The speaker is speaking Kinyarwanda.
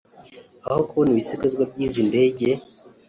Aho kubona ibisigazwa by’izi ndege